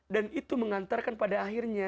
dan itu mengantarkan pada akhirnya